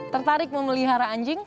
tertarik memelihara anjing